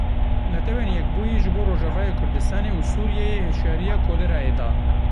Netewên Yekbûyî ji bo Rojavayê Kurdistanê û Sûriyeyê hişyariya kolerayê da.